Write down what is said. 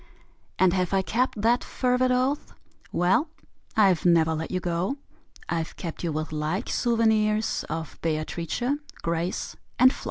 And have I kept that fervid oath? Well I've never let you go: I've kept you with like souvenirs Of Beatrice, Grace and Flo.